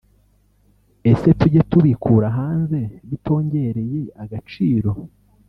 ese tujye tubikura hanze bitongereye agaciro